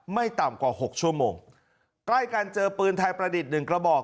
ไม่ต่ำกว่าหกชั่วโมงใกล้กันเจอปืนไทยประดิษฐ์หนึ่งกระบอก